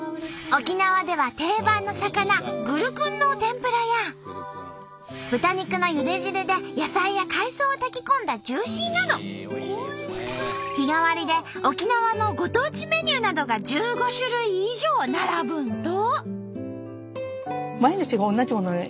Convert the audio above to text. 沖縄では定番の魚豚肉のゆで汁で野菜や海藻を炊き込んだ日替わりで沖縄のご当地メニューなどが１５種類以上並ぶんと！